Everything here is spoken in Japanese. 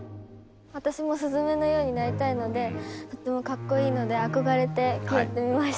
私も鈴芽のようになりたいのでとてもかっこいいので憧れてやってみました。